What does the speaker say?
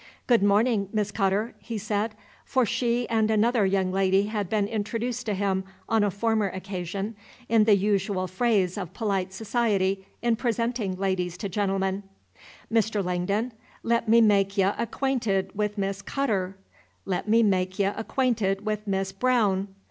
"Good morning, Miss Cutter," he said; for she and another young lady had been introduced to him, on a former occasion, in the usual phrase of polite society in presenting ladies to gentlemen, "Mr. Langdon, let me make y' acquainted with Miss Cutterr; let me make y' acquainted with Miss Braowne."